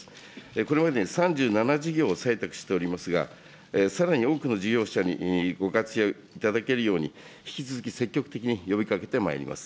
これまでに３７事業を採択しておりますが、さらに多くの事業者にご活躍いただけるように、引き続き積極的に呼びかけてまいります。